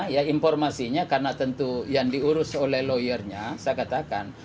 ya informasinya karena tentu yang diurus oleh lawyernya saya katakan